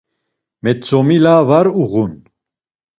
Metzomila var uğun!